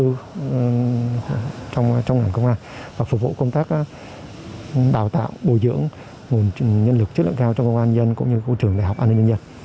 đủ chuẩn phó giáo sư trong ngành công an và phục vụ công tác đào tạo bồi dưỡng nguồn nhân lực chất lượng cao trong công an nhân dân cũng như của trường đại học an ninh nhân dân